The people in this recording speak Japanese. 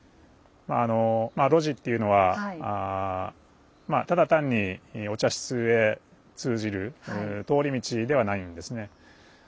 あのまあ露地っていうのはただ単にお茶室へ通じる通り道ではないんですね。